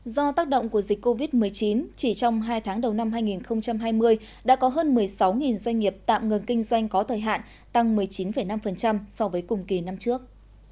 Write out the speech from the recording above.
do tác động của dịch covid một mươi chín chỉ trong hai tháng đầu năm hai nghìn hai mươi đã có hơn một mươi sáu doanh nghiệp tạm ngừng kinh doanh có thời hạn tăng một mươi chín năm so với cùng kỳ năm trước